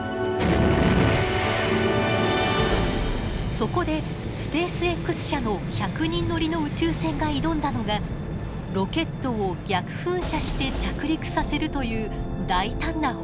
そこでスペースＸ社の１００人乗りの宇宙船が挑んだのがロケットを逆噴射して着陸させるという大胆な方法です。